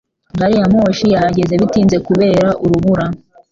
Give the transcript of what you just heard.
Gariyamoshi yahageze bitinze kubera urubura.